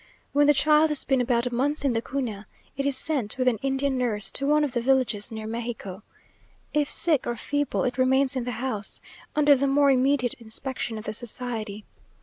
When the child has been about a month in the Cuna, it is sent, with an Indian nurse, to one of the villages near Mexico. If sick or feeble it remains in the house, under the more immediate inspection of the society.